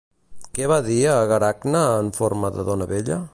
Què va dir a Aracne en forma de dona vella?